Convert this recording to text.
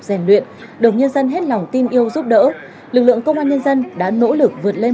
rèn luyện đồng nhân dân hết lòng tin yêu giúp đỡ lực lượng công an nhân dân đã nỗ lực vượt lên